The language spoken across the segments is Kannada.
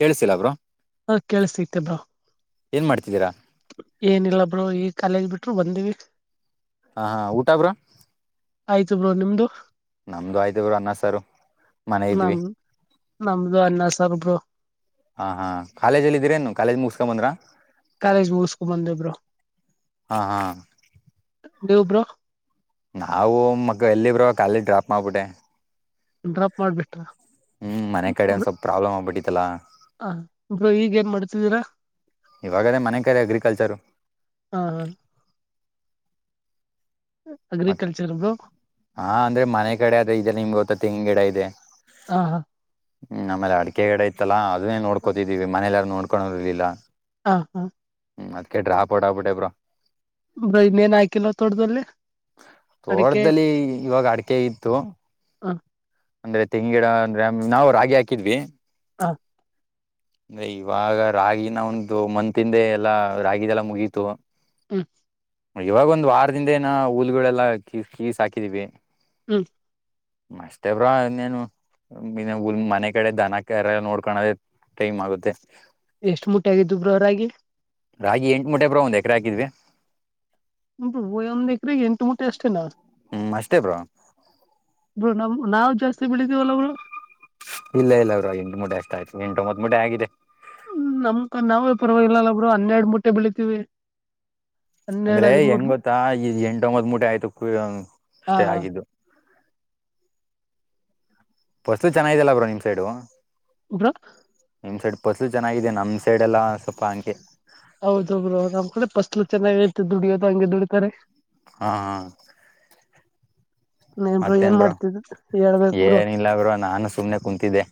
ಕೇಳಿಸ್ತಿಲ್ಲ ಬ್ರೋ. ಹಾ ಕೇಳಿಸ್ತಾ ಐತೆ ಬ್ರೋ. ಏನ್ ಮಾಡ್ತಿದ್ದೀರಾ. ಏನಿಲ್ಲ ಬ್ರೋ ಈ ಕಾಲೇಜ್ ಬಿಟ್ರು ಬಂದಿವಿ. ಹ ಹಾ ಊಟ ಬ್ರೋ. ಆಯ್ತು ಬ್ರೋ ನಿಮ್ದು ನಮ್ದು ಆಯ್ತವರು ಅನ್ನಸಾರ ಮನೆ ಇದ ಇದ್ವಿ ನಮ್ ನಮ್ದು ಅನ್ನ ಸಾರು ಬ್ರೋ ಹಾ ಹಾ ಕಾಲೇಜ್ಲ್ಲಿ ಇದೀರೇನು ಕಾಲೇಜ್ ಮುಗಸ್ಕೊ ಬಂದ್ರ ಕಾಲೇಜ ಮುಷ ಕುುಮಂದ ದೇಬ್ರೋ ಹಾ ಹಾ ದೇವಬ್ರ ನಾವು ಮಗ ಎಲ್ಲಿ ಬ್ರೋ ಕಾಲಿ ಡ್ರಾಪ್ ಮಾಡಬಿಟ್ಟೆ ಡ್ರಾಪ್ ಮಾಡ್ಬಿಟ್ರ ಹ್ಮ್ ಮನೆ ಕಡೆ ಒಂದ ಸ್ವಲ್ಪ ಪ್ರಾಬ್ಲಮ್ ಆಗ್ಬಿಟ್ಟಿ ಹ ಇರು ಈಗ ಏನ್ ಮಾಡ್ತಿದ್ದೀರಾ ಇವಾಗನೇ ಮನೆ ಕರೆ ಅಗ್ರಿಕಲ್ಚರು ಹ ಮತ್ತ ಅಗ್ರಿಕಲ್ಚರ್ ಬ್ರೋ ಹಾ ಅಂದ್ರೆ ಮನೆ ಕಡೆ ಅದ ಈದೆಲ್ಲ ನಿಮ್ಗೆ ಹೊತ್ತ ತೆಂಗ ಗಿಡ ಇದೆ ಹಾ ಹಾ ಹ್ಮ್ ಆಮೇಲೆ ಅಡಿಕೆಗಡೆ ಇಐತ್ತಲ್ಲ ಅದನ್ನೇ ನೋಡ್ಕೋತಿದೀವಿ ಮನೆಯಲ್ಲಾರು ನೋಡ್ಕೋ ಇರ್ಲಿಲ್ಲ ಹಾ ಹಾ ಹ್ಮ್ ಅದ್ ಡ್ರಾಪೋಡ್ಾಬಿಟ್ಟಬ್ರ ಬೈ ಮೇನ್ ಹಾಕಿಲ್ಲ ತೋಡ್ದಲ್ಲಿ ತೋಟದಲ್ಲಿ ಇವಾಗ ಅಡಕೆ ಇತ್ತು ಹ ಅಂದ್ರೆ ತೆಂಗ ಗಿಡ ಅಂದ್ರೆ ನಾವವು ರಾಗಿ ಹಾಕಿದ್ವಿ ಹಾ ಅಂದ ಇವಾಗ ರಾಗಿನ ಒಂದು ಮಂತಿಂದೆ ಎಲ್ಲಾ ರಾಗಿದೆಲ್ಲ ಮುಗೀತು ಹ್ಮ ಇವಾಗ ಒಂದ್ ವಾರದಿಂದ ಏನ ಹೂಲ್ಗಳೆಲ್ಲಾ ಕ ಕೀಸ್ ಹಾಕಿದಿವವಿ ಹ್ಮ್ ಅಷ್ಟೇ ಬ್ರೋ ನೀನು ಲ್ ಮನೆ ಕಡೆ ದನಕ್ಕೆಲ್ಲ ನೋಡ್ಕಳದ ಟೈಮ್ ಆಗುತ್ತೆ ಎಷ್ಟ್ ಮೂಟೆ ಆಗಿದ್ದು ಬ್ರೋ ರಾಗಿ ರಾಗಿ ಎಂಟು ಮುಟೆ ಬ್ರ ಒಂದು್ ಎಕ್ರೆ ಹಾಕಿದ್ವಿ ು ವಏನು್ ರೇ ಎಟು ಮಟೆ ಆಷ್ಟೆ ನ ಹ್ಮ್ ಅಷ್ಟೇ ಬ್ರಾ ನಮ ನಾವು ಜಾಸ್ತಿ ಬೆಳಿದೀವಲ್ಲ ಅವರು ಇಲ್ಲ ಇಲ್ಲ ಅವ ಎಂಟು ಮುಡಿ ಅಷ್ಟ ಆಯ್ತು ಎಂಟೊಂಬತ್ ಮುಡಿ ಆಗಿದೆ ಹ್ಮ ನಮ್ಕ ನಾವೇ ಪರವಾಗಿಲ್ಲಲ್ಲ ಬ್ರರು ಹನ್ನೆರಡು ಮುಟ್ಟೆ ಬೆಳಿತೀವಿ ಹನ್ನೆರಡ್ ಅಂದ್ರೆ ಹದಿಮೂರ್ ಹೆಂಗ್ ಗೊತ್ತಾ ಈ್ ಎಂಟ ಒಂಬತ್ ಮೂಟೆ ಆಯ್ತು ಹಾ ಅಷ್ಟೇ ಆಗಿದ್ದು ವಸ್ತುತಿ ಚೆನ್ನಾಗಲ್ಲ ಬ್ರೋ ನಿಮ್ ಸೈಡು ಬರ ಬಸ್ಲು ಚೆನ್ನಾಗಿದೆ ನಮ್ಮ ಸೈಡೆ ಎಲ್ಲ ಸ್ವಲ್ಪ ಅಂಕೆ ಹೌದ ಒಬ್ಬರು ನಮ್ ಕಡೆ ಫಸ್ಲು ಚೆನ್ನಾಗಿ ತ ದುಡಿಯೋದು ಹಂಗೆ ದುಡಿತಾರೆ ಹಾ ಹಾ ನೀನ್ರು ಏನ್ ಮತ್ತೇನ್ ಬ್ರೋ ಮಾಡ್ತಿದ ಹೇಳ್ಬೇಕ ಬರು ಏನಿಲ್ಲ ಬ್ರೋ ನಾನು ಸುಮ್ನೆ ಕುಂತಿದ್ದೆ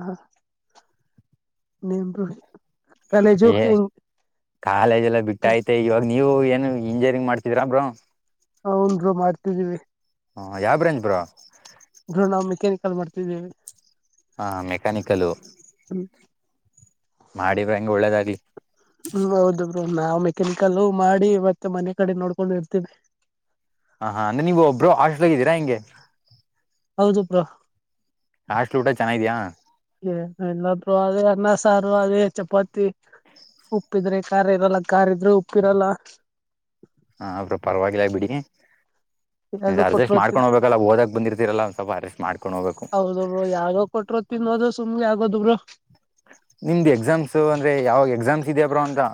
ಹಾ ನಿಮ್ ಬು. ಏ ಕಾಲೇಜ್ ಎಲ್ಲ ಬಿಟ್ಟೈತೆ ಇವಾಗ್ ನೀವು ಏನು ಇಂಜಿಯರಿಂಗ್ ಮಾಡ್ತಿದೀರಾ ಬ್ರೋ. ಹನ್ರು ಮಾಡ್ತಿದ್ದೀವಿ ಹ ಯಾವ ಬ್ರಾಂಚ್ ಬ್ರೋ ಬ್ರೋ ನಾವು ಮೆಕ್ಯಾನಿಕಲ್ ಮಾಡ್ತಿದ್ದೇವೆ ಹಾ ಮೆಕ್ಯಾನಿಕಲ್ಲ ಮಾಡಿದ್ರ ಹಂಗೆ ಒಳ್ಳೇದಾಗ್ಲಿ ಹ್ಮ ಹೌದು ಬ್ರ ನಾವು ಮೆಕ್ಯಾನಿಕಲ್ಲ ಮಾಡಿ ಇವತ್ತು ಮನೆ ಕಡೆ ನೋಡ್ಕೊಂಡು ಇರ್ತೇವಿ ಹಾ ಹಾ ಅಂದ್ರೆ ನೀವು್ ಒಬ್ಬರು ಹಾಸ್ಟೆಲ್ ಇದಿದ್ದೀರಾ ಹೆಂಗೆ ಹೌದು ಬ್ರಾ ಹಾಸ್ಟೆಲ್ ಊಟ ಚೆನ್ನ ಇದ್ಯಾಾ ಇಲ್ಲಾ ಬ್ರೋ ಅದೇ ಅನ್ನ ಸಾರು ಅದೆ ಚಪಾತಿ ಉಪ್ಪಿದ್ರೆ ಕಾರ ಇರಲ್ಲ ಕಾರ ಇದ್ರೆ ಉಪ್ಪಿರಲ್ಲ ಹಾ ಬ್ರೋ ಪರವಾಗಿಲ್ಲ ಬಿಡಿ ಯಾವ್ದೋ ಅರ್ಜಸ್ಟ್ ಕೊಟ್ರೋ ತಿನ್ ಮಾಡ್ಕೊಂಡ್ ಹೋಗ್ಬೇಕಲ್ಲ ಓದಕ್ ಬಂದಿರ್ ದಿರಲ್ಲ ಒಂದ್ ಸ್ವಲ್ಪ ಅರೇಸ್ ಮಾಡ್ ಹೌದು ಬ್ರೂ ಯಾರೋ ಕೊಟ್ಟಿರೋದು ತಿನ್ನೋದು ಸುಮ್ಮನೆ ಆಗೋದು ಬ್ರೊ. ನಿಮ್ದು ಎಕ್ಸಾಮ್ಸು ಅಂದ್ರೆ ಯಾವಾಗ ಎಕ್ಸಾಮ್ಸ್ ಇದೆಯ ಬ್ರೋ ಅಂತ.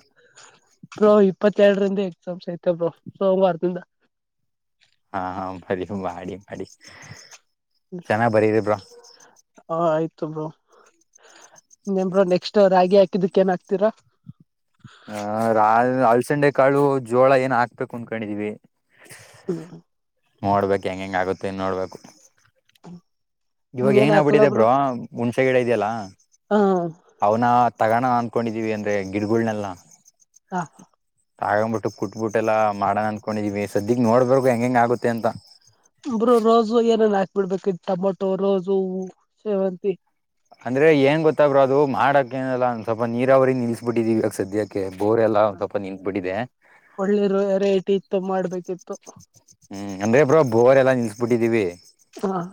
ಬ್ರೋ ಇಪ್ಪತ್ತೆರ್ಡ್ರಿಂದ ಎಕ್ಸಾಮ್ಸ್ ಐತೆ ಬ್ರೋ ಸೋಮ್ವಾರ್ದಿಂದ. ಹಾಂ ಬರಿ ಮಾಡಿ ಮಾಡಿ. ಚೆನ್ನಾಗ್ ಬರೀರಿ ಬ್ರೊ. ತು ಬ್ರೊ ಇನ್ನೇನ್ ಬ್ರೊ ನೆಕ್ಸ್ಟ್ ರಾಗಿ ಹಾಕಿದಕ್ ಏನ್ ಹಾಕ್ತೀರಾ. ಹ ರ ಅಳ್ಸಂಡೆ ಕಾಳು ಜೋಳ ಏನ ಹಾಕ್ಬೇಕು ಅಂಕೊಂಡಿದೀವಿ. ಹ್ಮ್ ನೋಡ್ಬೇಕ್ ಹೆಂಗ್ ಹೆಂಗ್ ಆಗುತ್ತೆ ಅಂತ್ ನೋಡ್ಬೇಕು. ಹ್ಮ್ ಇವಾಗ ಏನ್ ಆಗ್ಬಿಟ್ಟಿದೆ ಬ್ರೋ ಮುುಣ್ಸೆ ಗಿಡ ಇದ್ಯಲ್ಲ ಹ ಅವ್ನ ತಗಣ ಅಂಕೊಂಡಿದೀವಿ ಅಂದ್ರೆ ಗಿಡ್ಗುಳ್ನೆಲ್ಲ. ಹಾ ತಗಂ ಬುಟ್ಟು ಕುಟ್ಬುಟ್ಟೆಲ್ಲ ಎಲ್ಲ ಮಾಡನ್ ಅನ್ಕೊಂಡಿದಿವಿ ಸದ್ಯಗ್ ನೋಡ್ಬೇಕು ಹೆಂಗ್ ಹೆಂಗ್ ಆಗುತ್ತೆ ಅಂತ. ಬಿಡ್ಬೇಕಿತ್ ಟೊಮೊಟೊ ರೋಸು ಸೇವಂತಿ. ಅಂದ್ರೆ ಏನ್ ಗೊತ್ತಾ ಬ್ರೊ ಅದು ಮಾಡಕೆನಿಲ್ಲ ಸ್ವಲ್ಪ ನೀರಾವರಿ ನಿಲ್ಸ್ಬಿಟ್ಟಿದೀವಿ ಇವಾಗ ಸದ್ಯಕ್ಕೆ. ಬೋರೆಲ್ಲ ಒಂದ್ ಸ್ವಪ ನಿಂತ ಬಿಟ್ಟಿದೆ. ಒಳ್ಳೆ ರೇಟ್ ಇತ್ತು ಮಾಡ್ಬೇಕಿತ್ತು ಹ್ಮ್ ಅಂದ್ರೆ ಬ್ರೋ ಬೋರ್ರೆ ಎಲ್ಲಾ ನಿಲ್ಸ್ಬಿಟ್ಟಿದೀವಿ. ಹ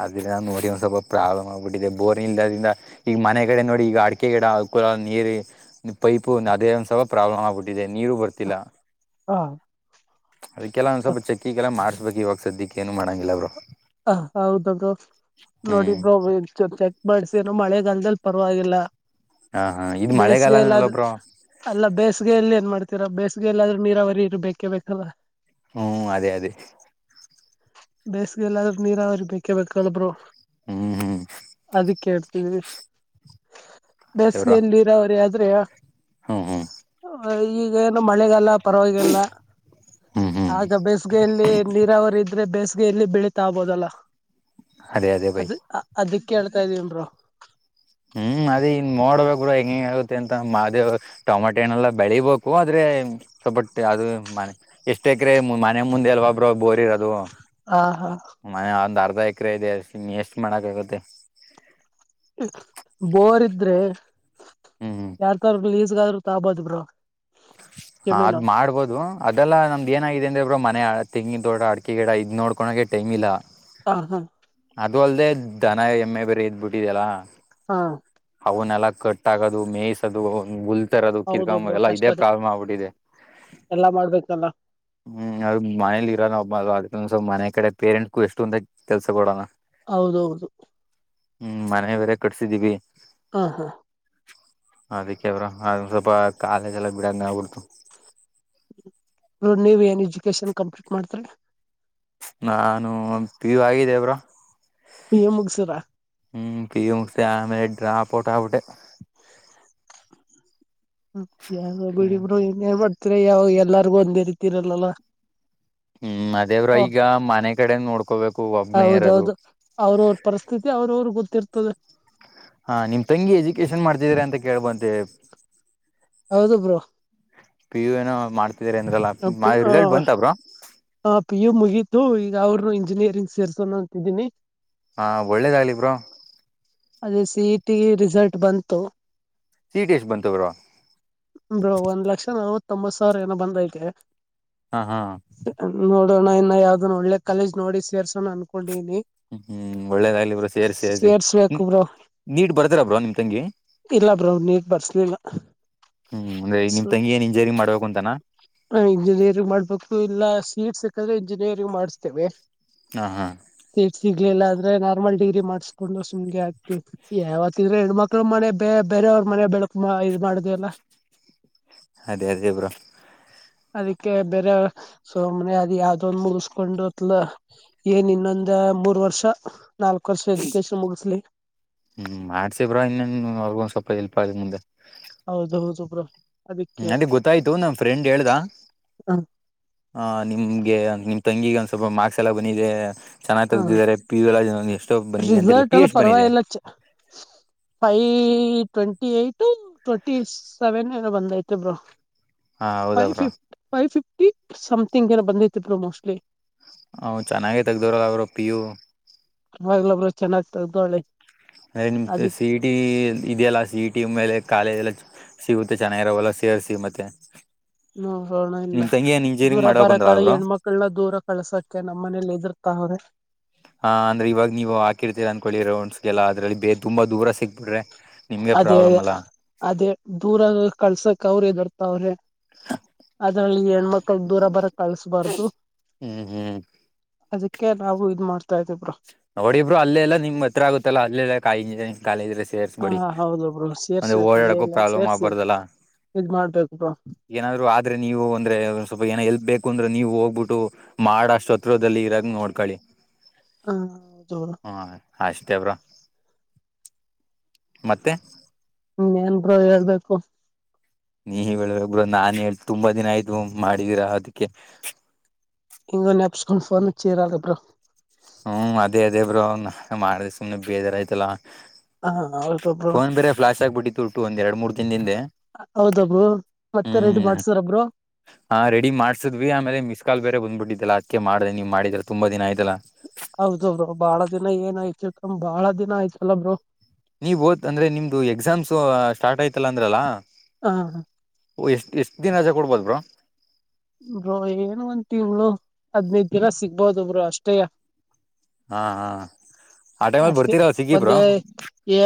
ಆ ಗಿಡ ನೋಡಿ ಒಂದ್ ಸ್ವಲ್ಪ ಪ್ರಾಬ್ಲಮ್ ಆಗ್ಬಿಟ್ಟಿದೆ ಬೋರ್ಂಗ್ ಇಲ್ಲದ್ರಿಂದ ಈಗ್ ಮನೆ ಕಡೆ ನೋಡಿ ಈಗ ಅಡ್ಕೆ ಗಿಡ. ಆ ನೀರಿ ಪೈಪು ಅದೇ ಒಂದ್ಸಲ ಪ್ರಾಬ್ಲಮ್ ಆಗ್ಬಿಟ್ಟಿದೆ ನೀರು ಬರ್ತಿಲ್ಲ. ಹ ಅದಕ್ಕೆಲ್ಲ ಒಂದ ಸ್ವಲ್ಪ ಚೆಕಿಂಗ್ ಕೆಲ್ಲ ಮಾಡ್ಸ್ಬೇಕ್ ಇವಾಗ ಸದ್ದಿಕ್ ಏನು ಮಾಡಂಗಿಲ್ಲ ಬ್ರೊ. ಹ ಹೌದು ಬ್ರೊ ನೋಡಿ ಹ್ಮ್ ಬ್ರೊ ಚಾ ಚ. ಬಡ್ಸೆನು ಮಳೆಗಲ್ದಾಲ್ ಪರ್ವಾಗಿಲ್ಲ. ಹಾ ಹಾ ಇದು ಮಳೆಗಾಲನಲ್ಲ ಬೇಸ್ಗೆಯಲ್ಲಾದ್ರೆ ಬ್ರೋ ಅಲ್ಲ ಬೇಸ್ಗೆಯಲ್ ಏನ್ ಮಾಡ್ತ ತಿರ ಬೇಸ್ಗೆಲ್ಲಾದ್ರೆ ನೀರಾವರಿ ಇರ್ಬೇಕೇ ಬೇಕಲ್ಲ. ಹು ಅದೇ ಅದೇ. ಬೇಸ್ಗೆ ಎಲ್ಲಾದ್ರೆ ನೀರಾವರಿ ಬೇಕೇ ಬೇಕಲ್ ಬ್ರೊ ಹ್ಮ್ ಹ್ಮ್ ಅದಿಕ್ ಕೇಳ್ತೀವಿರಿ ಬೆಸ್ಗೆ ಎಲ್ ನೀರಾವರಿ ಆದ್ರೆ. ಹು ಹು ಆ ಈಗ ಏನು ಮಳೆಗಲ್ಲ ಪರ್ವಾಗಿಲ್ಲ ಹ್ಮ್ ಹ್ಮ್ ಆಗ ಬೇಸ್ಗೆಯಲ್ಲಿ ನೀರಾವರಿ ಇದ್ರೆ ಬೇಸ್ಗೆಯಲ್ಲಿ ಬೆಳೆ ತ್ತ ಬೋದಲ್ಲ ಅದೇ ಅದೇ ಬೈ ಅದ್ ಅದಕ್ ಕೇಳ್ತಾ ಇದ್ದೀನ್ ಬ್ರೊ. ಹ್ಮ್ ಅದೇ ಇನ್ ನೋಡ್ಬೇಕ್ ಬ್ರೊ ಹೆಂಗ್ ಹೆಂಗ್ ಆಗುತ್ತೆ ಅಂತ ಮಾದೇ ಟೊಮಾಟೆಣ್ಣ ನೆಲ್ಲಾ ಬೆಳಿಬೇಕು ಆದ್ರೆ. ಏ ಸೊಬಟ್ಟೆ ಅದು ಮ ಎಷ್ಟ ಎಕ್ರೆ ಮನೆ ಮುಂದೆ ಅಲ್ವಾ ಬ್ರೊ ಬೋರ್ ಇರೋದು. ಹಾ, ಹಾ- ಕ್ರ ಇದೆ ಅ [unintelligible] ಎಷ್ಟ್ ಮಾಡಕಗತ್ತೆ. ಬೋರ್ ಇದ್ರೆ, ಹ್ಮ್ ಹ್ಮ್ ಯಾರ್ದಾದರರಲೀಸ್ಗ ಆದ್ರುರು ತಬೋದು ಬ್ರೋ., - ಹಾಗ ಮಾಡ್ಬೋದು ಅದೆಲ್ಲಾ ನಮ್ದ ಏನಾಗಿದೆ, ಇನ್ನೇನ್ ಬ್ರೊ ಮನೆ ತೆಂಗಿನ ತೋಟ ಅಡ್ಕೆ ಗಿಡ ಇದ್ ನೋಡ್ಕೊಳೋಕೆ ಟೈಮ್ ಇಲ್ಲ. ಹ ಹಾ ಅದು ಅಲ್ಲದೆ ದನ ಎಮ್ಮೆ ಬೇರಿ ಇದ್ಬುಟ್ಟಿದ್ಯಲ್ಲ. ಹಾ ಫೋನ್ ಎಲ್ಲಾ ಕಟ್ ಆಗದು ಮೇಯ್ಸದು ಉಲ್ ತರದು ಕಿರ್ಕ ಹೌದು ಬ್ರೋ ಎಲ್ಲ ಇದೇ ಕಷ್ಟನೇ ಪ್ರಾಬ್ಲಮ್ ಆಗ್ಬಿಟ್ಟಿದೆ. ಎಲ್ಲಾ ಮಾಡ್ಬೇಕಲ್ಲ ಹ್ಮ್ ಅದು ಮನೇಲಿ ಇರೋನ್ ಒಬ್ಬುನಲ್ಲ ಅದ್ ಸುಮ್ ಸುಮ್ ಮನೆ ಕಡೆ ಪೇರೆಂಟ್ಗು ಎಷ್ಟು ಅಂತ ಕೆಲ್ಸ ಕೊಡಣ. ಹೌದು ಹೌದು ಹ್ಮ್ ಮನೆ ಬೇರೆ ಕಟ್ಸಿದೀವಿ. ಹಾ, ಹಾ,, - ಅದಕ್ಕೆ ಬ್ರೋ ಅದ ಸ್ವಲ್ಪ ಕಾಲೇಜ್ ಎಲ್ಲ ಬಿಡದು ನಾವು. ಅದು ನೀವ ಎನ್ ಎಜುಕೇಶನ್ ಕಂಪ್ಲೀಟ್ ಮಾಡಿದ್ರಿ. - ನಾನು ಪಿ, ಯು ಆಗಿದೆ ಬ್ರೋ., - ಪ ಎ ಮುಗಸರಾ [unintelligible] ಹ್ಮ್, ಪಿ, ಯು ಆದಮೇಲೆಡ್ರಾಪೌಟಾಗಬಿಟ್ಟೆ. ಹ್ಮ್ ಇರ್ಲಿಬಿಡುಇನ್ನೇನ್ ಮಾಡ್ತೀರ ಯಾವ ಎಲ್ಲಾರ್ಗು ಒಂದೇ ರೀತಿಇರಲ್ಲಲ್ಲಾ. ಹ್ಮ್ ಅದೇ ಬ್ರೋ ಹ [inaudible] ಈಗ ಮನೆ ಕಡೆ ನೋಡ್ಕೋಬೇಕು ಒಬ್ನೇ ಇರೋದು ಹೌದೌದು, ಅವ್ರ ಅವರ ಪರಿಸ್ಥಿತಿ ಅವರು ಗೊತ್ತಿರ್ತದೆ. ಹಾ, ನಿಮ್ ತಂಗಿ ಎಜುಕೇಶನ್ ಮಾಡ್ತಿದರೆ ಅಂತ ಕೇಳ್ಬಂದ. ಹೌದು ಬ್ರೋ, ಪಿ, ಯುಏನೋ ಮಾಡ್ತ ಪಿ, ಯು ಮುಗೀತು ಈಗ ಅವ್ರನು ಇಂಜಿನಿಯರಿಂಗ್, - ಸೇರ್ಸೋಣ ಅಂತಿದ್ದೀನಿ. ಹಾ, ಒಳ್ಳೇದಾಗ್ಲಿ ಬ್ರೋ. ಅದೇ ಸಿ, ಇ, ಟಿ ರಿಸಲ್ಟ್ ಬಂತು. ಸಿಟಿ ಎಷ್ಟ್ ಬಂತು ಬ್ರೋ - ಒಂದ್ ಲಕ್ಷ ನಲ್ವತ್ತೊಂಬತ್ ಸಾವಿರ ಏನೋ ಬಂದೈತೆ. ಹಾ ಹಾ ನೋಡೋಣ ಇನ್ನ ಯಾವ್ದನ ಒಳ್ಳೆ ಕಾಲೇಜ್ ನೋಡಿ ಸೇರ್ಸೋಣ ಅನ್ಕೊಂಡನಿ. - ಹ್ಮ್, ಒಳ್ಳೇದಾಗ್ಲಿ ಬ್ರೋ ಸೇರ್ ಸೇರ್ಸಿ. ಸೇರ್ಸ್ಬೇಕು ಬ್ರೋ ನೀಟ್ ಬರ್ದರ ಬ್ರೋನಿಮ್ ತಂಗಿ. ಇಲ್ಲ ಬ್ರೋ ನೀಟ್ ಬರ್ಸ್ಲಿಲ್ಲ ಹ್ಮ್, ಅಂದ್ರೆ ನಿಮ್ ತಂಗಿ ಇಂಜಿನಿಯರಿಂಗ್ ಮಾಡ್ಬೇಕು ಅಂತನಾ., - ಹ, ಇಂಜಿನಿಯರಿಂಗ್ ಮಾಡ್ಬೇಕು ಇಲ್ಲ ಸೀಟ್ ಸಿಕ್ಕಿದ್ರೆ ಇಂಜಿನಿಯರಿಂಗ್ ಮಾಡಸ್ತೇವೆ. ಹಾ, ಹಾ ಇಲ್ಲ ಅಂದ್ರೆ ನಾರ್ಮಲ್ ಡಿಗ್ರಿ ಮಾಡಸ್ಕೊಂಡು ಸುಮ್ಗೆ ಆಗ್ತು ಯಾವತಿದ್ರು ಹೆಣ್ಮಕ್ಳು ಮನೆ ಬೇರೆ ಮನೆಬೆಳಕು ಇದ್ ಮಾಡುದು ಅಲ್ಲ, ಅದೇ- ಅದೇ ಬ್ರೋ, ಅದಕ್ಕೆ ಬೇರೆ ಸುಮ್ನೆ ಅದ ಯಾವ್ದೋಂದು ಮುಗಸ್ಕೊಂಡುತ್ಲ ಏನ್ ಇನ್ನೊಂದು ಮೂರು ವರ್ಷ ನಾಲ್ಕ್ ವರ್ಷ ಎಜುಕೇಶನ್ ಮುಗಿಸ್ಲಿ ಹ್ಮ್, ಮಾಡಸಿಬ್ರೋ ಇನ್ನೊನಸ್ವಲ್ಪ ಎಲ್ಪ್ ಅಗ್ಲಿ ಮುಂದೆ. ಹೌದು, ಹೌದು ಬ್ರೋ ಹ್ಮ, ಅದಕ್ಕೆ ನನಗೆ ಗೊತ್ತಾಯ್ತು. ನಮ ಫ್ರೆಂಡ್ ಹೇಳ್ದ ಹ ಆ ನಿಮ್ಗೆ ನಿಮ ತಂಗಿಗೆ ಒಂದು ಸ್ವಲ್ಪ ಮಾರ್ಕ್ಸ್ ಎಲ್ಲ ಬಂದಿದೆ. ಚೆನ್ನಾಗ್ ಹ ತೆಗ್ದಿದ್ದಾರೆ ಪಿ, ಯುಎಷ್ಟೋ ಬಂದಿದೆ ಅಂತಲ್ಲ ರಿಸಲ್ಟ್ ಪೀಎಷ್ಟ್ ಬಂದಿದೆ. Five twenty eight, twenty seven ಏನೋ ಬಂದೈತಿ ಬ್ರೋ ಹಾ ಹೌದಾ five bro fifty, five fifty something ಏನೋ ಬಂದೈತೆಬ್ರೋ ಮೋಸ್ಟ್ಲಿ. ಅವ ಚೆನ್ನಾಗೆ ತಗೆದಿದಾರು ಪಿ ಯು [unintelligible] ಯವಗಲೂ ಬ್ರೆಶ್ ಚೆನ್ನಾಗಿ ತೊಳ್ಕೊಳ್ಳಿ. [unintelligible] ಟೆಂತ್ ಸಿಡಿ ಮ ಇದೆಯಲ್ಲಾ ಸಿಟಿ ಮೇಲೆ ಕಾಲೇಜ್ ಎಲ್ಲ [unintelligible] ಸಿಗುತ್ತೆ ಚೆನ್ನಾಗಿರಾವಲ್ಲ ಸೇರ್ಸಿ ಮತ್ತೆ. [unintelligible] ನೋಡೋಣ. ಇಲ್ಲ ನಿಮ್ಮ ತಂಗಿ ಏನು ದೂರ ಇಂಜಿನಿಯರಿಂಗ್ ಬರ ಮಾಡೋಕಂದ್ರ ಕಳ ಬ್ರೋ ಹೆಣ್ಮಕ್ಕಳನ್ನದೂರ ಕಳ್ಸಕ್ಕೆ ನಮ್ಮ ಮನೇಲಿ ಇದ ರ್ತ ಹ [inaudible] ಹ ಅಂದ್ರೆ ಇವಾಗ ನೀವು ಹಾಕಿರ್ತೀರ ಅನ್ಕೊಳ್ಳಿ ಬ್ರೋ ಒನ್ಸಲ್ಅದ್ರಲ್ಲಿ ಬ ತುಂಬಾ ದೂರ ಸಿಕ್ಬಿಟ್ರೆ, ನಿಮಗೆ ಅದು ಪ್ರಾಬ್ಲಮ್ ಅದೇ ಅಲ್ಲ -ಅದೇ ದೂರಕಳ್ಸಕ್ ಅವ್ರ ಹೆದುರ್ತಾವ್ರೆ. - ಅದ್ರಲ್ಲಿ ಹೆಣ್ಮಕ್ಳನ ದೂರ ಬರ ಕಳಸ್ಬಾರ್ದ ಹ್ಞೂ ಹ್ಞೂ ಅದಕ್ಕೆ ಅಕ ನಾವು ಇದ್ ಮಾಡ್ತಾ ಇದ್ದೀಬ್ರರು [unintelligible] ಅವರಿಬ್ರು ಅಲ್ಲೆಲ್ಲ ನಿಮ್ ಹತ್ರ ಆಗುತ್ತಲ್ಲ ಅಲ್ಲೆಲ್ಲ ಇಂಜಿನಿಯರಿಂಗ್ ಕಾಲೇಜ ಲೆಸಿಂದ. ಹಾ ಸೇರ್ಸ್ಬೇಡಿ ಹೌದು ಬ್ರೋ ಅಂದೆ ಸೇರ್ಸ್ಬೇಕು ಅಲ್ಲೇ ಓಡಾಡಕೂ ಎಲ್ಲ ಪ್ರಾಬ್ಲಮ್ ಸೇರ್ಸಿ ಆಗ್ಬಾರ್ದಲ್ಲ. ಇದ್ ಮಾಡ್ಬೇಕು ಬ್ರೋ ಏನಾದ್ರು ಆದ್ರೆ ನೀವು ಅಂದ್ರೆ ಸ್ವಲ್ಪ ಏನ ಎಲ್ಪ್, ಬೇಕು ಅಂದ್ರೆ ನೀವ್ ಹೋಗ್ಬಿಟ್ಟು ಮಾಡ ಶತ್ದಲ್ಲಿ [unintelligible] ಇರಾಂಗ ನೋಡ್ಕೊಳ್ಳಿ. - ಆ ತೋಗೋ [unintelligible] ಅಷ್ಟೇ ಬ್ರೋ ಮತ್ತೆ. [unintelligible] ಹೂ ಏನ್ ಬ್ರೋ ಹೇಳ್ಬೇಕು. [unintelligible] ನೀ ಹೇಳದರೀ ಬ್ರೋ ನಾನೇ ತುಂಬಾ ದಿನ ಆಯ್ತು ಮಾಡಿದೀರಾ ಅದಕ್ಕೆ. [unintelligible] ನೀವೇ ನೆನಪಿಸಿಕೊಂಡು ಫೋನ್ ಹಚ್ಚಿದೀರ ಬ್ರೋ. ಹೂ ಅದೇ ಅದೇ ಬ್ರೋ ಮಾಡದರ ಸುಮ್ನೆ ಬೇಜಾರ ಆಯ್ತಲ್ಲಾ? ಹ ಹೌದು [unintelligible] ಬ್ರೋ ಫೋನ್ ಬೇರೆ ಫ್ಲಾಶ್ ಆಗ್ಬಿಟ್ಟಿತ್ತು ಉಟು ಒಂದ್ ಎರಡ್ ಮೂರ್ ದಿನದ ಹಿಂದೆ. [unintelligible] ಹೌದ ಬ್ರೋ ಮತ್ತೆ ರೆಡೀ ಮಾಡ್ಸಿದ್ರ ಬ್ರೋ? [unintelligible] ಆ ರೆಡಿ ಮಾಡ್ಸದ್ವಿ ಆಮೇಲೆ ಮಿಸ್ ಕಾಲ್ ಬೇರೆ ಬಂದ್ಬಿಟ್ಟಿತ ಅದಕ್ಕೆ, [unintelligible] ಇಲ್ಲ ಅದಕ್ಕೆ ಮಾಡಿದೆ ನೀವ ಮಾಡಿದ್ರೆ ತುಂಬಾ ದಿನ ಆಯ್ತಲ? [unintelligible] ಹೌದು ಬ್ರೋ ಬಾಳ ದಿನ ಏನಯ್ತು ಬಾಳ ದಿನ ಆಯ್ತಲ ಬ್ರೋ? [unintelligible] ನೀವ್ ಓದ್ ಅಂದ್ರೆ ನಿಮ್ದು ಎಕ್ಸಾಮ್ಸ್ ಸ್ಟಾರ್ಟ್ ಆಯ್ತಲ್ಲ ಅಂದ್ರಲ್ಲಾ? [unintelligible] ಹಾ [unintelligible] ಓ ಎಷ್ಟ ಎಷ್ಟ ದಿನ ರಜ ಕೊಡ್ಬೋದ ಬ್ರೋ? [unintelligible] ಬ್ರೋ ಏನು ಒಂದ ತಿಂಗಳು ಹದ್ನೈದು ದಿನ ಸಿಗ್ಬೋದು ಬ್ರೋ ಅಷ್ಟೇಯಾ? [unintelligible] ಹಾ ಹಾ [unintelligible] ಅಷ್ಟೇ ಬರ್ತೀರಲ್ಲ ಸಿಗಿ ಒಂದ ಬ್ರೋ ಯ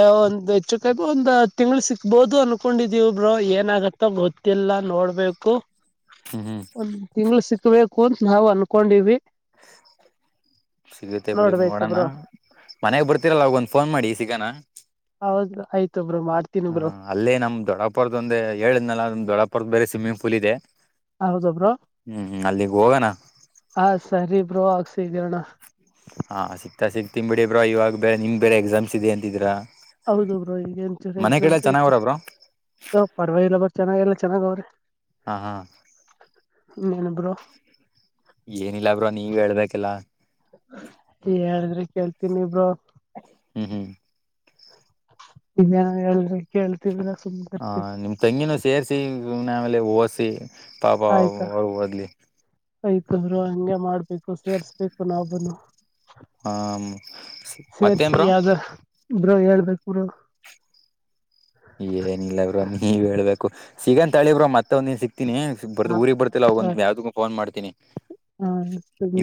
ಹೆಚ್ಚುಕಮ್ಮಿ ಒಂದ್ ಹತ್ತ ತಿಂಗಳ ಸಿಕ್ [unintelligible] ಬೋದು ಅನ್ಕೊಂಡಿದೀವಿ ಬ್ರೋ ಏನಾಗತ್ತೋ ಗೊತ್ತಿಲ್ಲ ನೋಡ್ಬೇಕು. [unintelligible] ಹ್ಮ್ ಹ್ಮ್ ಒಂದ್ ತಿಂಗಳ ಸಿಕ್ಬೇಕು ಅಂತ ನಾವು ಅನ್ಕೊಂಡಿವಿ. [unintelligible] ಸಿಗುತ್ತೆ ಬಿಡಿ ನೋಡ್ಬೇಕು ನೋಡೋಣ? ಬ್ರೋ [unintelligible] ಮನೆಗ ಬರ್ತಿರಲ್ಲ ಅವಾಗ ಒಂದ ಫೋನ್ ಮಾಡಿ ಸಿಗಾನ. [unintelligible] ಹೌದು ಆಯ್ತು ಬ್ರೋ ಮಾಡ್ತೀನಿ ಹ ಬ್ರೋ ಅಲ್ಲೇ ನಮ್ಮ ದೊಡ್ಡಪ್ಪರದ ಒಂದ ಹೇಳಿದ್ನಲ್ಲ ನಮ್ಮ ದೊಡ್ಡಪ್ಪರದ ಬೇರೆ ಸ್ವಿಮ್ಮಿಂಗ್ ಪೂಲ್ ಇದೆ. [unintelligible] ಹೌದು ಬ್ರೋ ಹ್ಮ್ ಅಲ್ಲಿಗ್ ಹೋಗೋಣ ಹ ಸರಿ ಬ್ರೋ ಸಿಗತನೇ ಅಣ್ಣ? [unintelligible] ಹಾ ಸಿಗ್ತ ಸಿಕ್ತಿನ ಬಿಡಿ ಬ್ರೋ ಇವಾಗ ಬೇರೆ ನಿಮ್ಮ ಬೇರೆ ಎಕ್ಸಾಮ್ಸ್ ಇದೆ ಅಂತಿದ್ರಾ? [unintelligible] ಹೌದು ಬ್ರೋ ಈಗ ಏನ್ ಚಲೋ ಎಕ್ಸಾಮ್ಸ್ ಐತೆ ಚೆನ್ನಾಗವ್ರ ಬ್ರೋ ಪರ್ವಾಗ ಇಲ್ಲ ಬ ಚೆನ್ನಾಗಲ್ಲ [unintelligible] ಚೆನ್ನಾಗ ಅವರೇ [unintelligible] ಹಾ ಹಾ [unintelligible] ನೀನು ಬ್ರೋ? [unintelligible] ಏನಿಲ್ಲ ಬ್ರೋ ನೀವೇ ಹೇಳ್ಬೇಕ ಎಲ್ಲಾ? [unintelligible] ಹೇಳಿದ್ರೆ ಕೇಳ್ತೀನಿ ಬ್ರೋ? [unintelligible] ಹೂ [unintelligible] ನಿಜಾ ಹೇಳಿದರ ಕೇಳ್ತಿ ಬ್ರೋ? [unintelligible] ಆ ನಿಮ್ಮ ತಂಗಿನೂ ಸೇರ್ಸಿ ನವ ಅಲ್ಲಿ ಓದಸಿ. [unintelligible] ಪಾಪಾ ಅವರ ಮಗಾ ಓದಲಿ. [unintelligible] ಆಯ್ತ ಅವರು ಹಂಗೆ ಮಾಡ್ಬೇಕು ಸೇರ್ಸ್ಬೇಕು ನಾವು ನು [unintelligible] ಹ ಮತ್ತೇನ್ರಿ ಬ್ರ ಹೇಳ್ಬೇಕುರು ಏನಿಲ್ಲ ಬ್ರೋ ನೀವ್ ಹೇಳ್ಬೇಕು ಸಿಗಂತ ತಳಿಬ್ರ ಮತ್ತೆ ಮತ್ತ ಒಂದನ್ ಸಿಕ್ತೀನಿ ಬರ್ ಹ ಊರಿಗೆಗ್ ಬರ್ತಿಲ್ಲ ಹ ಅವೋಗ ಯಾವ್ದ ಫೋನ್ ಮಾಡ್ತೀನಿ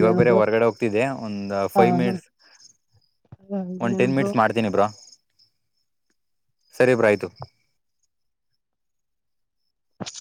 ಇವಾಗ ಬೇರೆ ಬ್ರೋ ಹೊರಗಡೆ ಹೋಗ್ತಿದ್ದೆ ಒಂದ ಹ ಫೈವ್ ಮಿನಿಟ್ [unintelligible] ಒಂದ ಇನ್ನೇನು ಟೆನ್ ಬ್ರೋ ಮಿನಿಟ್ಸ್ ಮಾಡ್ತೀನಿ ಬ್ರೋ [unintelligible] ಸರಿ ಬ್ರೋ ಆಯ್ತು. [unintelligible]